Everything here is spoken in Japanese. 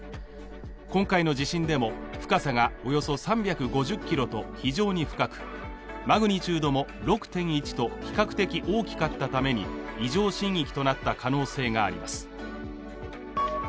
今回の地震でも、深さがおよそ３５０ｋｍと非常に深くマグニチュードも６．１と比較的大きかったために異常震域となった可能性があります。